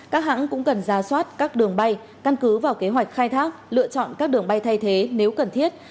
các hãng cũng cần ra soát các đường bay căn cứ vào kế hoạch khai thác lựa chọn các đường bay thay thế nếu cần thiết